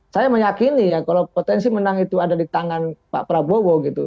saya meyakini ya kalau potensi menang itu ada di tangan pak prabowo gitu